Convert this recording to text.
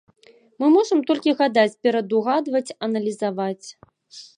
Мы можам толькі гадаць, перадугадваць, аналізаваць.